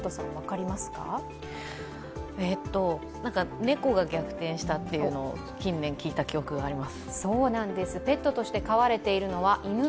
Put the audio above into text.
猫が逆転したといのを近年聞いた記憶があります。